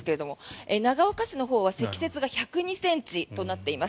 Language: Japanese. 長岡市のほうは積雪が１０２ｃｍとなっています。